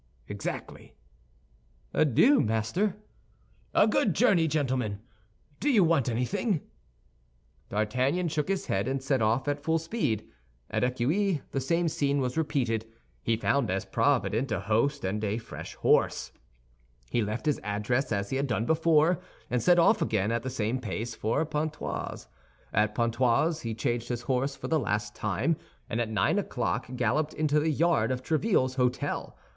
"Exactly." "Adieu, master!" "A good journey, gentlemen! Do you want anything?" D'Artagnan shook his head, and set off at full speed. At Eccuis, the same scene was repeated. He found as provident a host and a fresh horse. He left his address as he had done before, and set off again at the same pace for Pontoise. At Pontoise he changed his horse for the last time, and at nine o'clock galloped into the yard of Tréville's hôtel.